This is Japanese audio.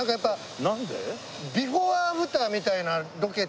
なんで？